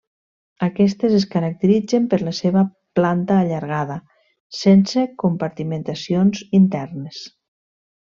Aquestes es caracteritzen per la seva planta allargada, sense compartimentacions internes.